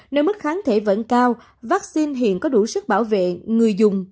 nơi mức kháng thể vẫn cao vaccine hiện có đủ sức bảo vệ người dùng